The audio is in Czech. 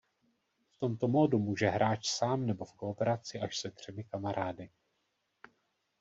V tomto módu může hráč sám nebo v kooperaci až se třemi kamarády.